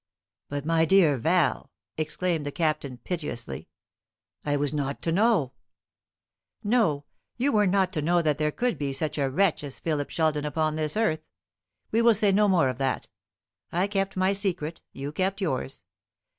"But, my dear Val," exclaimed the Captain piteously, "I was not to know " "No; you were not to know that there could be such a wretch as Philip Sheldon upon this earth. We will say no more of that. I kept my secret, you kept yours.